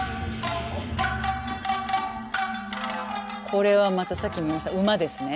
これはまたさっき見ました馬ですね。